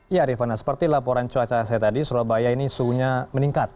ya rifana seperti laporan cuaca saya tadi surabaya ini suhunya meningkat